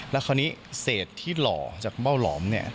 แล้วคราวนี้เศษที่หล่อจากเบ้าหลอมเนี่ย